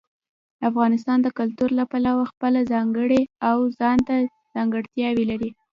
افغانستان د کلتور له پلوه خپله ځانګړې او ځانته ځانګړتیاوې لري.